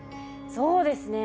そうですね